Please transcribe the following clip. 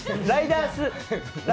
ライダース。